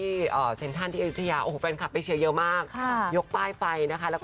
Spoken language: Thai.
ก็จะเจอกันเป็นมากก็คุณสำหรับทุกทุกตำลังใจและการแนกการดูตรงนี้เถอะนะครับ